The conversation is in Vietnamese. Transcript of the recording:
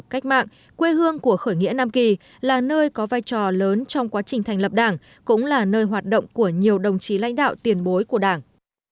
cách mạng quê hương của khởi nghĩa nam kỳ là nơi có vai trò lớn trong quá trình thành lập đảng cũng là nơi hoạt động của nhiều đồng chí lãnh đạo tiền bối của đảng